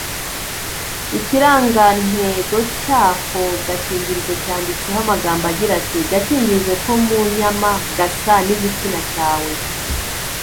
Ikirangantego cy’ako gakingirizo cyanditseho amagambo agira ati” gakingirizo ko mu nyama gasa n’igitsina cyawe”